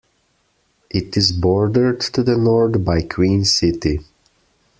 It is bordered to the north by Queen City.